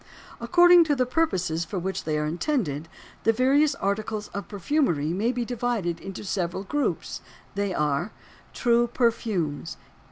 According to the purposes for which they are intended, the various articles of perfumery may be divided into several groups. They are: TRUE PERFUMES.